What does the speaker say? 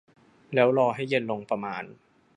แล้วรอให้เย็นลงประมาณ